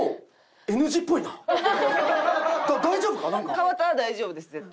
河田は大丈夫です絶対。